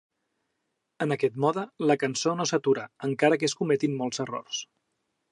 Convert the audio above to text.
En aquest mode, la cançó no s'atura encara que es cometin molts errors.